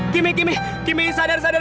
kimi kimi kimi sadar sadar